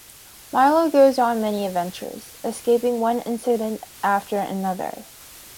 Milo goes on many adventures, escaping one incident after another.